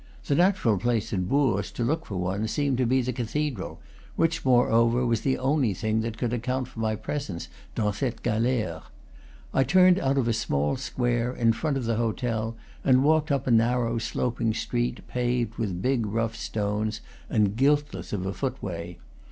The natural place, at Bourges, to look for one seemed to be the cathedral; which, moreover, was the only thing that could account for my presence dans cette galere. I turned out of a small square, in front of the hotel, and walked up a narrow, sloping street, paved with big, rough stones and guiltless of a foot way.